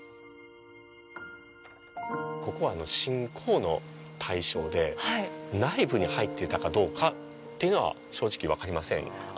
ここは信仰の対象で内部に入っていたかどうかというのは正直分かりません。